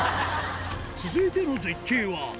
続いての絶景は。